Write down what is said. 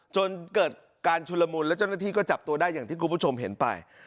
จนเกิดการชุนละมุนแล้วเจ้าหน้าที่ก็จับตัวได้อย่างที่คุณผู้ชมเห็นไป